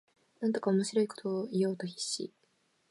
なんとか面白いことを言おうと必死